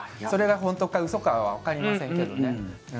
それが本当か嘘かはわかりませんけど。